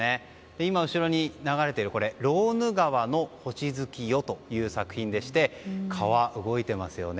今、後ろに流れている「ローヌ川の星月夜」という作品でして川、動いていますよね。